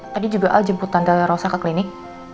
tadi juga al jemput santarosa ke klinik